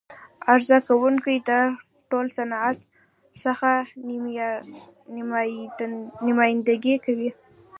عرضه کوونکی د ټول صنعت څخه نمایندګي کوي.